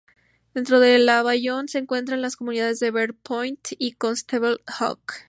Dentro de Bayonne se encuentran las comunidades de Bergen Point y Constable Hook.